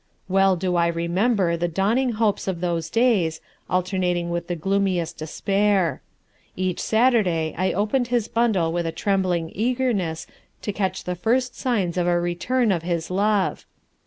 Well do I remember the dawning hopes of those days, alternating with the gloomiest despair. Each Saturday I opened his bundle with a trembling eagerness to catch the first signs of a return of his love.